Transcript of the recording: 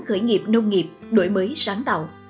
khởi nghiệp nông nghiệp đổi mới sáng tạo